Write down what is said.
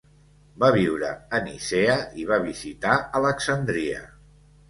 Va viure a Nicea i va visitar Alexandria.